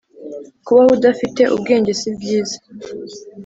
kubaho udafite ubwenge si byiza,